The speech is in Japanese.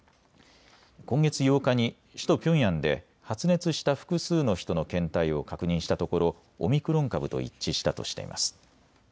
今月８日に首都ピョンヤンで発熱した複数の人の検体を確認したところオミクロン株と一致したとしています。